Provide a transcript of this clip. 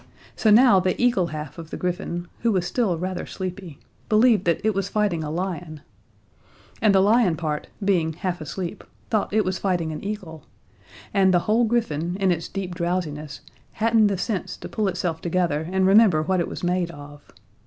So now the eagle half of the griffin, who was still rather sleepy, believed that it was fighting a lion, and the lion part, being half asleep, thought it was fighting an eagle, and the whole griffin in its deep drowsiness hadn't the sense to pull itself together and remember what it was made of.